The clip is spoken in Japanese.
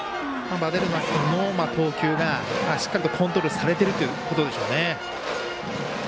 ヴァデルナ君の投球がしっかりコントロールされているということでしょうね。